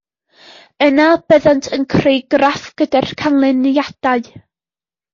Yna, byddent yn creu graff gyda'r canlyniadau